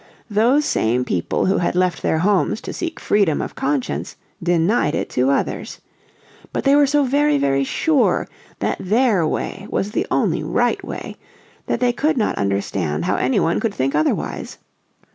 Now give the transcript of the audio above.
Those same people who had left their homes to seek freedom of conscience denied it to others. But they were so very, very sure that their way was the only right way, that they could not understand how any one could think otherwise.